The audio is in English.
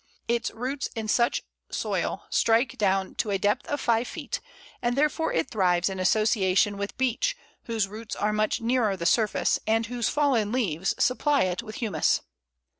Its roots in such soil strike down to a depth of five feet, and therefore it thrives in association with Beech, whose roots are much nearer the surface, and whose fallen leaves supply it with humus.